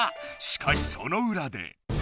しかしそのうらで。